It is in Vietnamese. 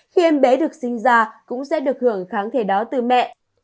khi em bé được sinh ra cũng sẽ được hưởng kháng thể đó từ mẹ